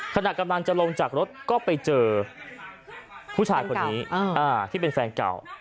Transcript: ขณะกำลังจะลงจากรถก็ไปเจอผู้ชายคนนี้ที่เป็นแฟนเก่า